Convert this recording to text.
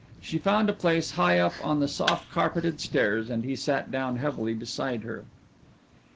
She found a place high up on the soft carpeted stairs, and he sat down heavily beside her.